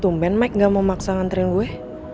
tumben maik gak mau maksa nganterin gue